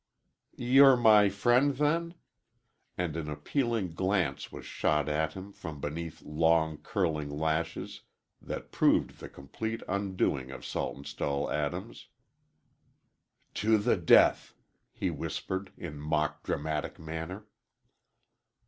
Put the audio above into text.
"You're my friend, then?" and an appealing glance was shot at him from beneath long, curling lashes, that proved the complete undoing of Saltonstall Adams. "To the death!" he whispered, in mock dramatic manner.